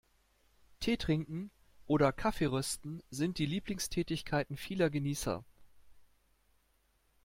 Teetrinken oder Kaffeerösten sind die Lieblingstätigkeiten vieler Genießer.